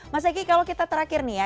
mas egy kalau kita terakhir nih ya